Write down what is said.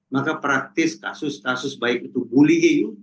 maka praktis kasus kasus baik itu bullying